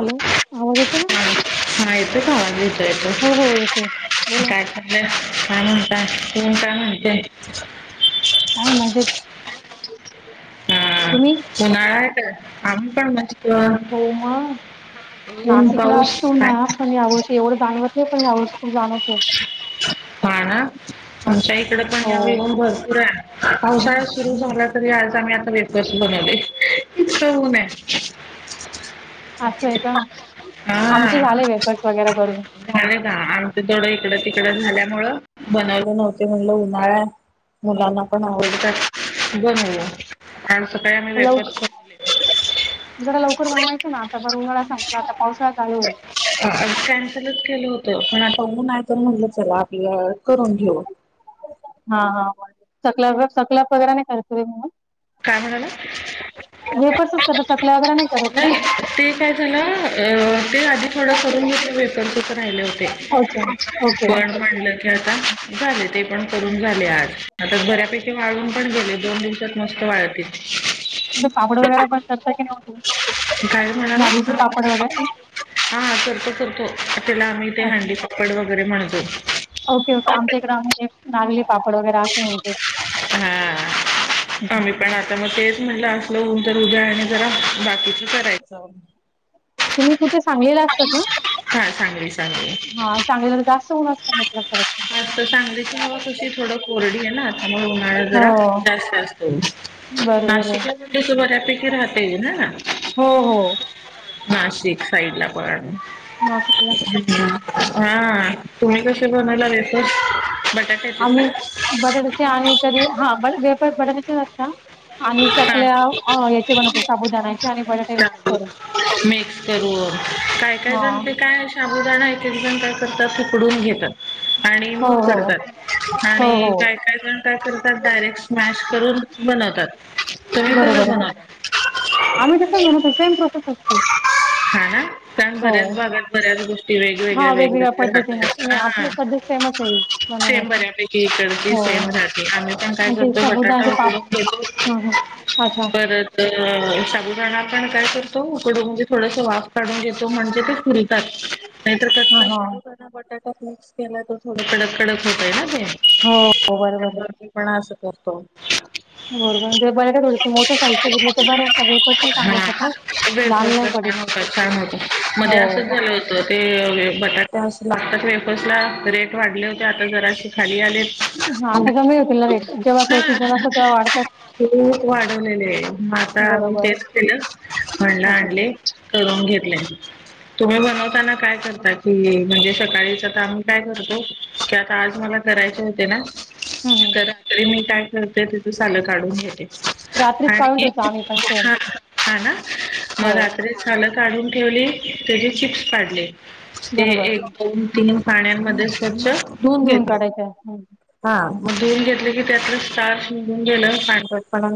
Hello आवाज येतो ना हा का येतो अता येतोय हो हो येतो येतो बोला काय कराल्यास काण म्हणता सुन का म्हणते काय मजेत हा तुम्ही उन्हाळा का आम्ही पण मन हो मग नाशिकला पाऊस ण यावर्षी जाणत हो हा ना आमच्या एक तकडे पण हो व येऊून भरपूर आहे पावसाळा सुरू झाला तरी आज आम्ही आता वेकस बनवले इतका ऊन आहे असं आहे का हा आमचे झाले वेपर्स वगैरे करून झाले का आमच तेवढं इकड ती झाल्यामूळ बनयले नव्हतते म्हणलं उन्हाळ्या मुलांना पण आवडतात बनवूया काल सकाळी आम्ही वेफर्स बनवले कूर बनवायचे ना आ बर उन्हाळा संगपला आता पावसा चालूईल कॅन्सलच केलं होतं आपण आ ऊन हाय तर म्हटलं चला आपलं करून घेऊ हा हा स सकलाफ वगैरे नाही करते म्हणून काय म्हणाला वेफर्सच करता चकल्या वगैरे करत का नाही ते काय झालं अ ते आधीथोडं करून मी त्या व्हेकल्सच राहिले होते अच्छा ओके पण म्हणलं की आता झाले ते पण करून झाले आज आता बऱ्यापैकी वाळून पण गेले दोन दिवसात मस्त वाळती. म्ह पापड वगैर पण करता की नव्हतो लागचे पापड वगैरे हा हा करतो करतो त्याला आम्ही ते अच्छा हंडी पपड वगैरे े म्हणतो ओके ओके आमच्या इकड म्ह नागली पापड वगैरे असे म्हणतो हा आम्ही पण आता मग तेच म्हटलं अस लवन तर उद्याने जरा बाकीच करायचं तुम्ही कुठे सांगलीला असतात ना [inaudible] मस्त हां, सांगलीला जास्त ऊन असतं मित्राच्यापेक्षा. सांगली की हवा कशी थोड कोरडी आहे ना आता हो, जरा जास्त असतो बरोबर आहे. नाशिकलांस बऱ्यापैकी राहता ये ना ना हो, हो. नाशिक साईड ला पण [inaudible] नाशिकला हा तुम्ही कसे बनवयला आलेस बटाटा येतस ना हा पण वेपार बटाट्याचे असत आणि हा चकल्या याचे बनवतो साबुदाणाचे आणि बटाटे मिक्स शाबू करून मिक्स करून हा तेिन काय करतात उकडून घेतात आणि हो, मग हो. करतात हो, आणि हो. काय काय जण काय करत त्यात डायरेक्ट स्मॅश करून बनवतात. तुम्ही कसं बरोबर बनवता आम्ही तस बनवतो सेम प्रोसेस असते. हा ना कारण हो. बऱ्याच भागात बऱ्याच गोष्टी वेगवेगळ्या हां, वेगवेगळ्या पद्धतीने राहतात तुम्ही आपली ह पद्धत सेमच आहे सेम बनवण्याची. बऱ्यापैकी इकडची हो. सेम राहते आम्ही पण काय आणि ते करतो बटाटा समुदायाचे उकडून पाप घेतो. हं हं अच्छा परत साबुदाणा आपण काय करतो उकडू म्ह थोडस वाफ काढून घेतो म्हणजे ते फुलतात नाहीतर हां कच्चा हां साबुदाणा बटाटा तर मिक्स केला त थोड कडक कडक होतय ना हो बरोबर त्या पण अस करतो. बरोबर ते बरं का थोडेसे मोठे साहित्य घेतले तर बरे सगळे पटकन चांगले येतात ना हा लाल बेछत नाही पडत छान होत हो मध्ये असंच झालं होत ते बटाटा अस लागतात वेफर्स ला रेट वाढले होते आता जराशी खाली आली. हा आता कमी होतील ना रेट जेव्हा तो सिझन हा असतो तेव्हा वाढतात. खूप वाढवलेले आहे आता आम्ही बरोबर तेच केलं म्हलं अच्छा अच्छा आणले करून घेत तुम्ही बनवताना काय करता कि म्हणजे सकाळीचता आम्ही काय करतो की आता आज मला करायचे होते ना? हं हं तर रात्री मी काय ते तिथं सालं काढून घ रात्रीच काढून आणि ठेवतो आम्ही पण सेम हा ना मग हो रात्री चालत काढून. ठेवली त्याची चिप्स पाडले. ते बरोबर एक दोन तीन पाण्याने मध्ये स्वच्छ धुवून धुवन घेतले काढायचं ह. हा मग घेऊन घेतले की त्यात स्टार्च निघून गेल पंधरटपणा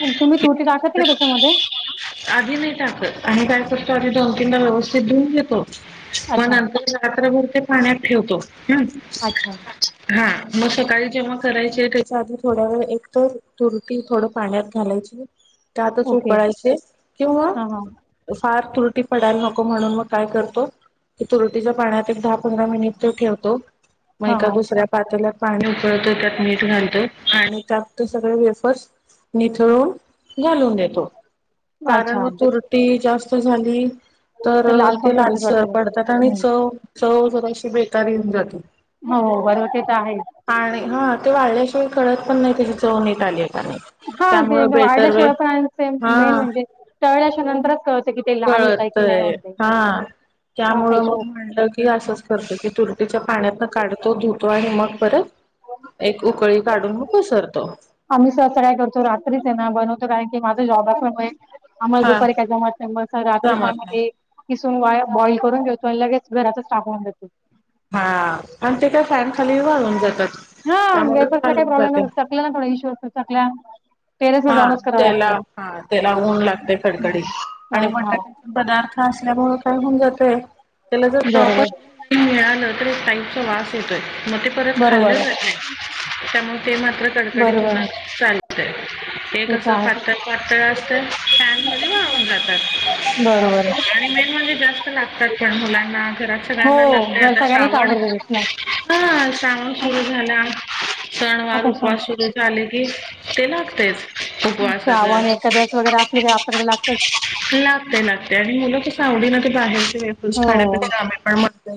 मग तुम्ही तुरटी टाकते का त्याच्यामध्ये [unintelligible] आणि काय करतं आी धोमकींना व्यवस्थित धऊन घेतो मग अच्छा नंतर रात्रभर ते पाण्यात ठेवतो हम् अच्छा हा मग सकाळी जेव्हा करायचे त्याच्या आधी थोड्या वेळ एकत तुरटी थोड पाण्यात घालायची. का आता सुू ओके करायचे किंवा हां हां फार तुरटी पडायला नको म्हणून मग काय करतो तुरटीच्या पाण्यात एक. पंधरा मि ठेवतो मग हां ए हां दुस्या पाणी उकळतो त्यात मीठ घालतो आणि त्यात सगळ वेफस निथळून घालून देतो. कारण अच्छा मग तुरटी जास्त झाली. तर लाल पण ते लहान पडतात स वाटतं त्याच्यात. पडतात आणि हं चव स जराशी बेकारऊन जाते. हो बरोब आणि हा ते वाढण्याश हा ते त्यामुळं बेटर वे वाढल्याशिवाय पण मेन हा म्हणजेळल्याशिवाय नंतरच क कळतय हा तो असा त्यामुळं मग इशू म्हणलं की असंच करत की तुरतीच्या पाण्यातन काढतो धुतो आणि मग परत एक उकळी काढून पसरतो. आम्ही सहस काय करतो रात्रीच आहे ना बनवतो कारण की माझा जॉब असल्यामुळे... आम्हाला हा दुपारी काय जम नाही मर रात्रीचम... जमत नाही किसून वा बॉइल करून घेतो आणि लगेच घराचा स्टापवून देतो.. हा जात हा वेपरला काही प्रॉब्लेम चकल्या ना थोडा इशू असतो चकल्या.. टेरेसला हा जाऊनच कराव त्याला लागतात हा त्याला ऊन लागते कडकडीत आणि हा बटाट्याचे पदार्थ असल्यामुळे काय होऊन जात ते... त्याला जर प्रॉपर बरोबर मिळालं.. क टाईपचा वासेत.. मग ते परत खाल्लं बरोबर जात नाही त्यामुळे ते मात्र बरोबर कडकडीतुला चाल.... न ते तेस तर आहेच पातळ पातळ असत फॅन कधरी वाळून जातात बरोबर आणि मेन म्हणजे जास्त लागतात पण मुलांना घरात हो सगळ्यांना लागत घर आता सगळ्यांनाच श्रावण आवडत नाही हा श्रावण हा ना, सुरु झाला सणवार आता उपवास श्रावण सुरू झाले की ते ना तेच... उपवासाच श्रावण एखाद्यास वगैरे असले की आपल्याकडे लागतच. लागतेय लागते आणि मुलं आवडी ना ते बाहेर तू हो. खाण्यापेक्षा आम्ही पण म्हणतय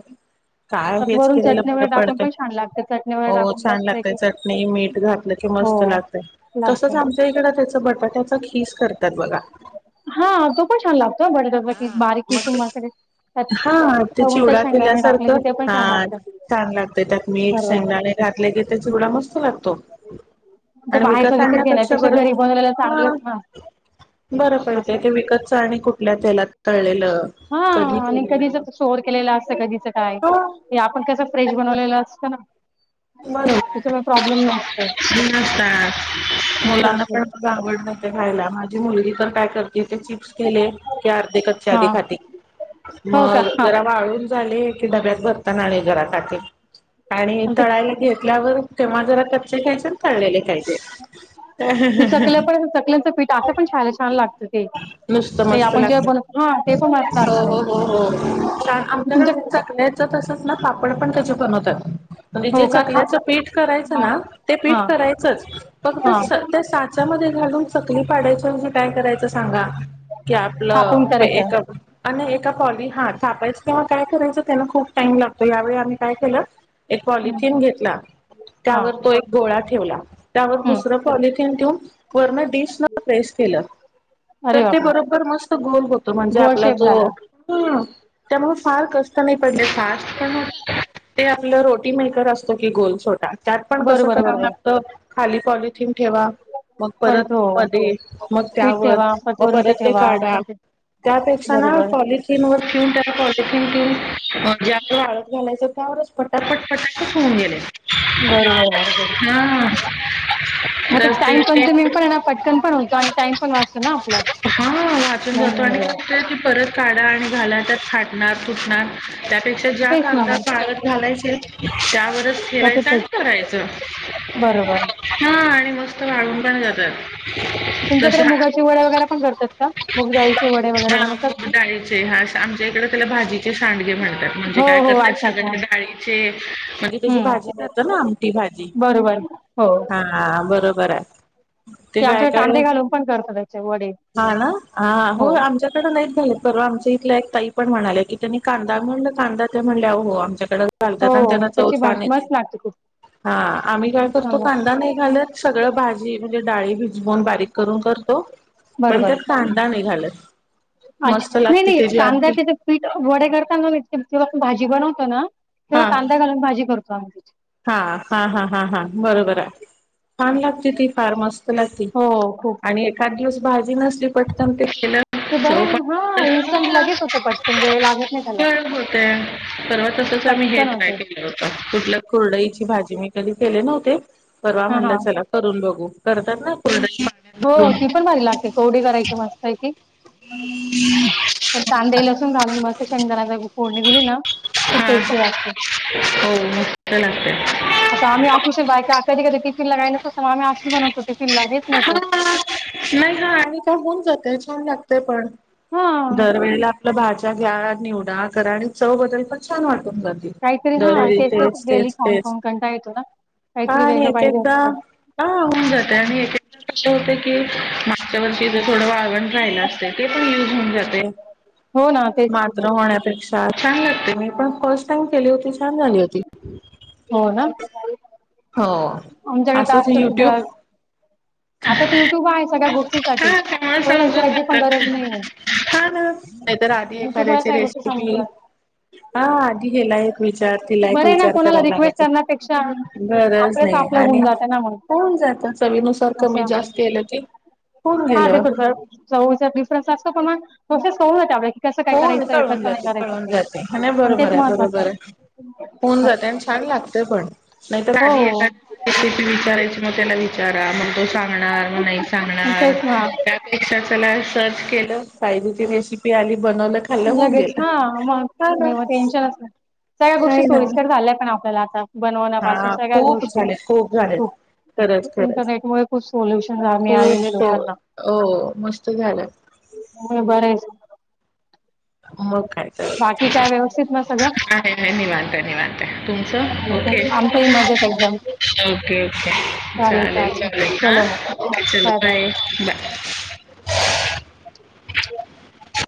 काय त्यात हेच वरून केलेलं चटणी बर वगैरे टाकून पडत पण छान लागते चटणी वगैरे हो टाकून छान लागते मस्तपैकी चटणी मीठ घातलं की हो मस्त लागतेय लागतय. आमच्या इकड त्याच बर.. त्याचा खीस करतात बघा. हा तो पण छान लागतो बटाटा की हा बारीक किसून मस्त त्यात मग हा ते तळून त्या चिवडा शेंगदाणे वगैरे टाकले केल्यासारखं की ते पण हा छान लागतं. छान लागतय त्यात मीठ बरोबर. शेंगदाणे घातल की चिवडा... मस्त तो आणि बाहेरचा विकत आणण्यापेक्षा घेण्यापेक्षा बर घरी बनवलेला चांगलंच ना बर पडते असं. ते विकतच आणि कुठ.. तेलात तळलेलं. हा कधी आणि कधीच केलेलं स्टोअर केलेलं असत कधीच काय हो आपण कसं फ्रेश बनवलेलं असतं ना. बबत त्याच्यामुळे प्रॉब्लेम नसतो असा मुलांना इशू पण म आवड खायला माझी मुलगी तर तिचे चिप्स केले की अर्धे कच्चे आधी हा. खाती हो का? मग हां. जरा वाळून.. झाले की डब्यात भरताना आले घरातात.. आणि तळायला घेतल्यावर तेव्हा जरा कच्चे खायचे तळलेले खायचे ते चकल्या पण चकल्यांचं पीठ असं पण खायला छान लागतं ते. नुसत ते मस्त आपण जेव्हा बनवतो हां ते लागत पण मस्त हो लागतं. हो हो छान आमच्याकडे तुमच्या ते चकल्याच तसच ना पाप.. पापड पण त्याचं बनवतात.. म्हणजे जे हो का? थाप चकल्याचं पीठ करायचं, ना ते पीठ हां करायचंच फक्त हां त्या साचामध्ये घालून चकली पाडायच म्हणजे काय करायचं सांगा की थापून आपलं करायचं. एक [unintelligible] थापायचं किंवा काय करायचं त्यांना खूप टाइम लागतो यावेळी आम्ही काय केलं. एक हं. पॉलिथीन घेतला हां. त्यावर तो एक गोळा ठेवला त्यावर हं. दुसरं पॉलिथीन ठेऊन. [unintelligible] स न प्रेस केलं अरे तर ते बापरे! बरोबर मस्त गोल होत म्हणजे गोल आपला शेप जो झाला. ह त्यामुळे फार कष्ट नाही पडले [unintelligible] पण ते आपलं रो टी मेकर असतो की गोलछोटा मेकर त्यात पण कसं बरोबर, करावं बरोबर. लागतं खाली कॉली [unintelligible] परत हो. ठेवा पीठ मग ठेवा, परत वरून ते ठेवा. परत [unintelligible] त्यावर बरोबर. ज्या वाळत घालायचं त्यावर पटापट [unintelligible] बरोबर, बरोबर. हा मग ते कसते टाइम ते कन्झ्युमिंग पण आहे ना, पटकन पण होतो आणि टाइम पण वाचतो ना आपला. हा वाचून मेन जातो आणि म्हणजे. कसते वाचून ती परत काढा आणि झाला [inaudible] त्या खाटणार फुटणार त्यापेक्षा ज्या तेच ना कागदा मग वाळत घालायचे त्यावरच ठेवायचं [unintelligible] आणि त्याच्यातच तळायच बरोबर ह आणि मस्त वाळून पण जातात तस तुमच्याकडे हा मुगाचे वडे वगैरे पण करतात का? मुग डाळीचे वडे वगैरे [unintelligible] बनवतात मूग का? डाळीचे हा आमच्या इकडे त्याला भाजीचे सांडगे म्हणतात म्हणजे हो काय हो करतात. अच्छा अच्छा सगळे डाळीचे म्हणजे त्याची भाजी हम्म जात ना आमठी भाजी बरोबर हो हा बरोबर आहे ते काय? आमच्याकडे काय? कांदे घालून पण करतात त्याचे वडे हा ना हा हो आमच्याकडे नाहीच परवा आम [unintelligible] पण म्हणा क त्यांनी कांदा [unintelligible] कां म्हणल्या हो आमच्याकडे आणि हो त्यांना चव त्याची भाज छान येते मस्त लागते खूप हा आम्ही काय खूप छान करतो? कांदा लागते नाही घालत सगळं भाजी म्हणजे डाळी धून बारीक करून करतो पण त्यात बरोबर कांदा नाही घालत. अच्छा मस्त नाही लागते नाही [unintelligible] त्याची कांदा आमटी तिथे पीठ वडे करता ना ते् हा भाजी बनवत कना किंवा हा कांदा घालून भाजी करतो [unintelligible] हा हा हा हा हा बरोबर असं. आहे छान लागते. ती फार मस्त लागती हो खूप आणि एखाद दिवस भाजी नस [unintelligible] चव ते बरं आहे ना पण [unintelligible] केलं हा पण होत इन्स्टंट लगेच होतं पटकन वेळ लागत नाही त्याला छान होतय परवा तसंच आम्ही हे पटकन ट्राय होते केलं होत कुठ कुरड्येची भाजी म कधी केले नव्हते. परवा हा म्हणलं हा चला करून बघू करतात ना कुरडई पाण्यात हो घालून ती पण भारी लागते कोवडी करायची मस्त आहे की ह तर कांदे लसून घालून मस्त शनदाना फोडणी दिली ना खूप हा टेस्टी असते. हो मस्त लागते आता आम्ही ऑफिशल बायका कधी कधी टिफिन लगायलात. हा नाही हा आम्ही का होन जातोय छान लागतो. ते पण हा दरवेळेला आपलं भाजी घ्या निवडा करा आणि चव बदल पण छान वाटत. काहीतरी हा ते डेली खाऊन तेच खाऊन कंटाळा येतो ना. हा काहीतरी आणि वेगळं एक पाहिजे एकदा असतं. हा होऊन जाते आणि त्या क मागच्या वर्षीच वाळवण राहिला असतं. ते पण युज होऊन जाते हो ना तेच की मात्र होण्यापेक्षा छान लागते मी पण फर्स्ट टाईम केली होती. छान झाली होती. हो ना हो. आमच्याकडे तर असंच असत सुद्ध युट्यूब आता तर युट्यूब आहे. सगळ्या गोष्टी हा तेम्हा समजून नाहीये हा ना नाहीतर आधी युट्यूबमुळे एखाद्याची सगळ्या गोष्टी समजून रेसिपी जातात हा आधी हेला एक विचार ते तिला बरे ना विचार कोणाला करायला रिक्वेस्ट लागाय. करण्यापेक्षा गरज आपलंच नाही आपलं आणि होऊन जातं ना मग होउन जात. चवीनुसार कमी असं जास्त आल की होऊन हा ते गेलं. पण बरोबर, चवीचा डिफरन्स असतो. पण मग प्रोसेस होऊ दे त्यावेळी हो कळून जाते कळून जाते. आणि बरोबर तेच आहे. महत्त्वाचं बरोबर आहे. असतं होऊन जाते आणि छान लागते पण नाही तर आधी हो एखादी विचारायची मग त्याला विचारा मग तो सांगणार. मग नाही हो सांगणार तेच ना त्यापेक्षा चला सर्च केलं. सायलीची रेसिपी आली. बनवलं खाल्लं होऊन लगेच, गेलं हा मग, हा ना नाही मग टेन्शनच नाही. सगळ्या गोष्टी नाही ना सोयीस्कर झाल्या पण आपल्याला आता बनवण्यापासून हा सगळ्या खूप गोष्टी, झाले खूप झालेत हो, खरंच खरंच इंटरनेट मुळे खूप सोल्युशन मिळालेले आहे खूप लोकांना. हो मस्त झालं म्हणून बरं हे. मग [inaudible] काय व्यवस्थित ना सगळं निवांत निवांतय तुमचं ओके आमचंही मजेत एकदम. ओके ओके चालेल चालेल हा बाय बाय. [inaudible]